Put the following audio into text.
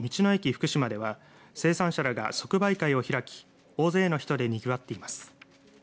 ふくしまでは生産者らが即売会を開き大勢の人でにぎわっています。